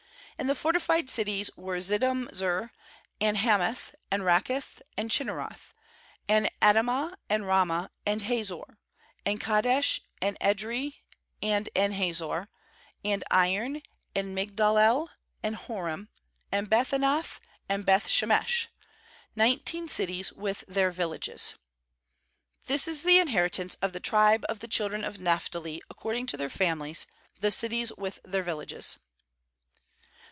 35And the fortified cities were Ziddim zer, and Hammath, and Rakkath, and Chirm ereth; 36and Ada mah, and Ramah, and Hazor; 37and Kedesh, and Edrei, and En hazor; 38and Iron, and Migdal el, and Horem, and Beth anath, and Beth shemesh; nineteen cities with their villages. 39This is the inheritance of the tribe of the children of Naphtali according to their families, the cities with their villages.